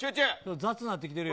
雑になってきてるよ。